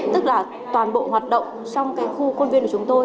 tức là toàn bộ hoạt động trong cái khu côn viên của chúng tôi